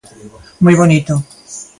Moi bonito.